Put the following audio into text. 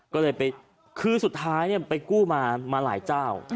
ก็เลยไปคือสุดท้ายไปกู้มาหลายเจ้า